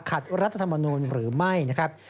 รัฐธรรมนูลหรือไม่นะครับ